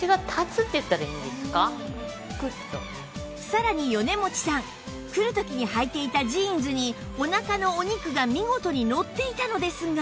さらに米持さん来る時にはいていたジーンズにお腹のお肉が見事にのっていたのですが